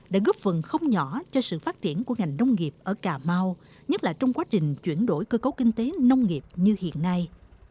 đã góp phần không nhỏ cho sự phát triển của ngành nông nghiệp ở cà mau nhất là trong quá trình chuyển đổi cơ cấu kinh tế nông nghiệp như hiện nay